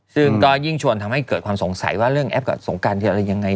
ซึ่งก็ยิ่งชวนทำให้เกิดความสงสัยว่าเรื่องแอปกับสงการจะอะไรยังไง